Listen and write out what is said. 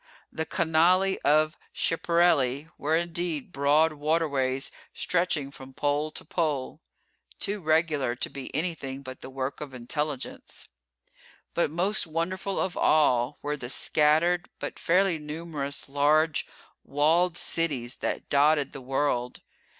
The canali of Schiaparelli were indeed broad waterways stretching from pole to pole, too regular to be anything but the work of intelligence. But most wonderful of all were the scattered, but fairly numerous large, walled cities that dotted the world.